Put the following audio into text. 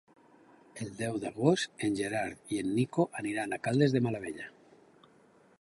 El deu d'agost en Gerard i en Nico aniran a Caldes de Malavella.